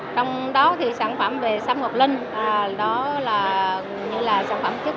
không chỉ thương mại của cây sâm uy tín do huyện tổ chức